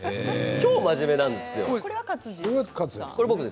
超真面目なんです。